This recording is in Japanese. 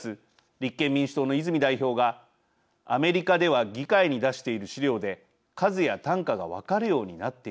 立憲民主党の泉代表がアメリカでは議会に出している資料で数や単価が分かるようになっていると指摘。